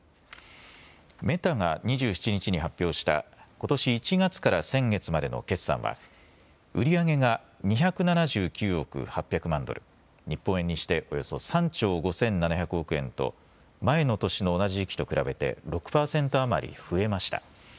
メタが２７日に発表したことし１月から先月までの決算は売り上げが２７９億８００万ドル、日本円にしておよそ３兆５７００億円と前の年の同じ時期と比べて６％余り増えました。